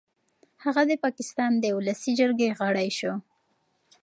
هغه د پاکستان د ولسي جرګې غړی شو.